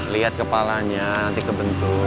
lihat kepalanya nanti kebentur